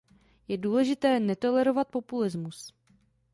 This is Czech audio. Je důležité netolerovat populismus.